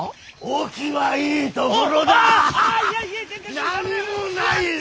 何もないぞ。